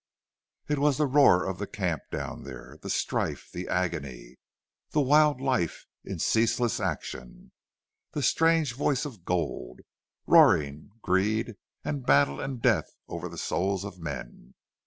It was the roar of the camp down there the strife, the agony, the wild life in ceaseless action the strange voice of gold, roaring greed and battle and death over the souls of men.